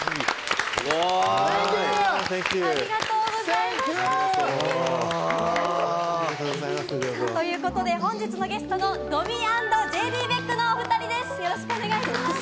いやすごい！ということで、本日のゲストのドミ＆ＪＤ・ベックのお２人で、すよろしくお願いします。